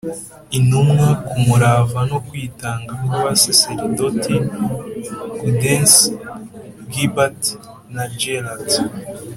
intumwa, ku murava no kwitanga kw’abasaserdoti gaudens, gilbert na gérard